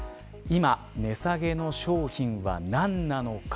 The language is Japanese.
今、値下げの商品は何なのか。